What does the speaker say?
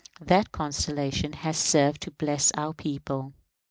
That constellation has served to bless our people.